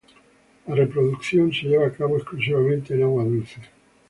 La reproducción se lleva a cabo exclusivamente en agua dulce.